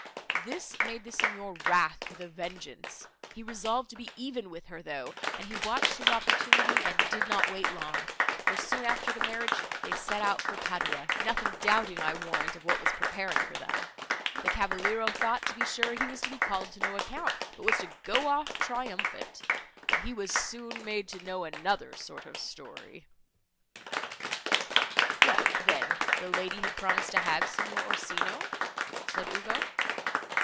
This made the Signor wrath, with a vengeance; he resolved to be even with her though, and he watched his opportunity, and did not wait long, for, soon after the marriage, they set out for Padua, nothing doubting, I warrant, of what was preparing for them. The cavaliero thought, to be sure, he was to be called to no account, but was to go off triumphant; but he was soon made to know another sort of story." "What then, the lady had promised to have Signor Orsino?" said Ugo.